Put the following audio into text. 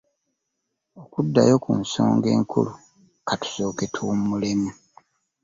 Okuddayo ku nsonga enkulu ka tusooke tuwummulemu.